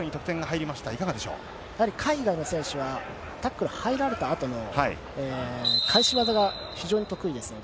海外の選手はタックルに入れたあとの返し技が非常に得意です。